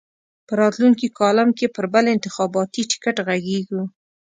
په راتلونکي کالم کې پر بل انتخاباتي ټکټ غږېږو.